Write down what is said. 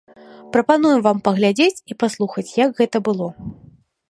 Прапануем вам паглядзець і паслухаць, як гэта было.